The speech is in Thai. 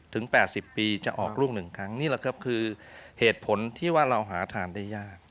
๘๐ปีจะออกลูก๑ครั้งนี่แหละครับคือเหตุผลที่ว่าเราหาทานได้ยาก